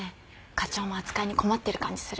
課長も扱いに困ってる感じする。